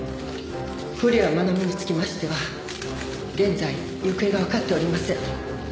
古谷愛美につきましては現在行方がわかっておりません。